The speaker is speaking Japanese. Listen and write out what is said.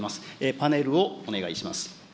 パネルをお願いします。